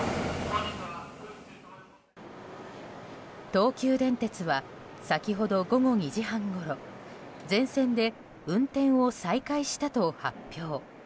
東急電鉄は先ほど午後２時半ごろ全線で運転を再開したと発表。